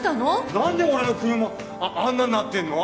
何で俺の車あんなんなってんの？